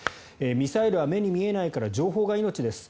ミサイルは目に見えないから情報が命です。